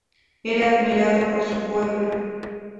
Era admirado por su pueblo.